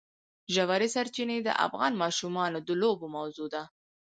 ژورې سرچینې د افغان ماشومانو د لوبو موضوع ده.